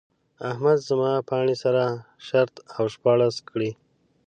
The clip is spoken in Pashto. احمد زما پاڼې سره شرت او شپاړس کړې.